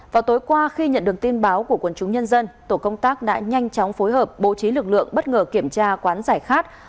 vào tối qua khi nhận được tin báo của quân chúng nhân dân tổ công tác đã nhanh chóng phối hợp bố trí lực lượng bất ngờ kiểm tra quán giải khát